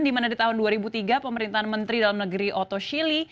di mana di tahun dua ribu tiga pemerintahan menteri dalam negeri otoshili